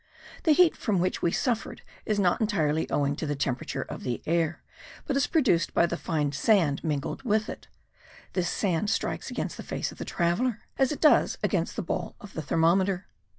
The heat from which we suffered is not entirely owing to the temperature of the air, but is produced by the fine sand mingled with it; this sand strikes against the face of the traveller, as it does against the ball of the thermometer.